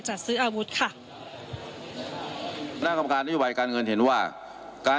จัดซื้ออาวุธค่ะคณะกรรมการนโยบายการเงินเห็นว่าการ